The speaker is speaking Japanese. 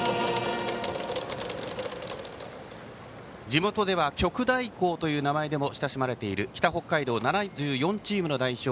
地元では旭大高という名前でも親しまれている北北海道７４チームの代表